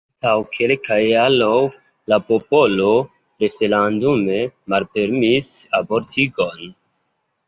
Antaŭ kelkaj jaroj la popolo referendume malpermesis abortigon.